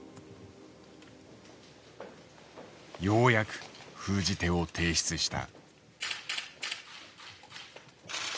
ようやく封じ手を提出した。